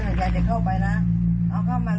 มาจะผู้ใหญ่มาจะซื้อนึงอยู่ไหมทำงานไหมบ้าง